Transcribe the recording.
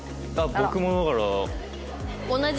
僕もだから。